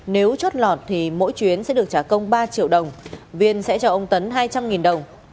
nếu chót lọt thì mỗi chuyến sẽ được trả công ba triệu đồng viên sẽ cho ông tấn hai trăm linh đồng